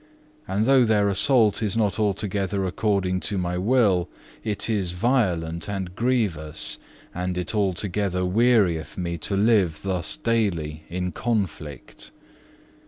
And though their assault is not altogether according to my will, it is violent and grievous, and it altogether wearieth me to live thus daily in conflict.